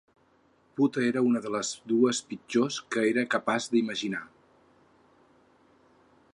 Puta era una de les dues pitjors que era capaç d'imaginar.